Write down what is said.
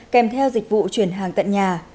kèm theo dịch vụ chuyển hàng tận nhà